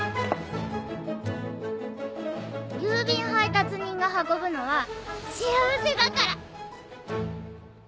郵便配達人が運ぶのは「幸せ」だから。